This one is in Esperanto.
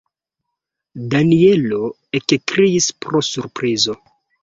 Danjelo ekkriis pro surprizo.